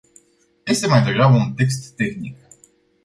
Este mai degrabă un text tehnic.